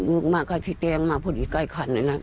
อึ้อยกมาไปพิเศกมาพอทีย์ใกล้ขันเลยล่ะ